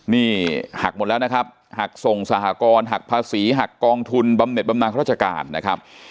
นี่หักหมดแล้วนะครับหักส่งสหกรณ์หักภาษีหักกองทุนบำเน็ตบำนานราชการนะครับ